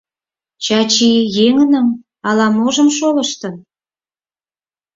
— Чачи еҥыным ала-можым шолыштын?